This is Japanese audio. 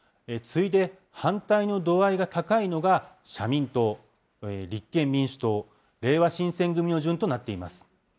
次いで反対の度合いが高いのが、社民党、立憲民主党、れいわ新選組の順となっています。